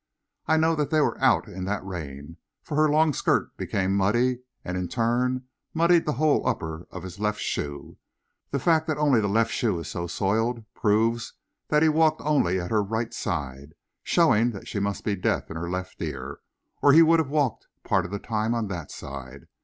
I know that they were out in that rain, for her long skirt became muddy, and in turn muddied the whole upper of his left shoe. The fact that only the left shoe is so soiled proves that he walked only at her right side, showing that she must be deaf in her left ear, or he would have walked part of the time on that side.